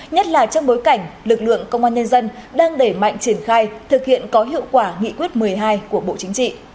nhất là trong bối cảnh lực lượng công an nhân dân đang đẩy mạnh triển khai thực hiện có hiệu quả nghị quyết một mươi hai của bộ chính trị